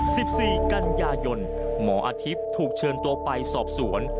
สิบสี่กันยายนหมออาทิตย์ถูกเชิญตัวไปสอบสวน